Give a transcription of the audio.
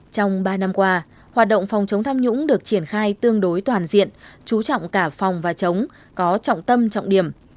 trong ba năm qua hoạt động phòng chống tham nhũng được triển khai tương đối toàn diện chú trọng cả phòng và chống có trọng tâm trọng điểm